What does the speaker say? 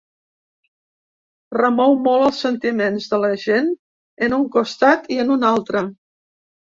Remou molt els sentiments de la gent en un costat i en un altre.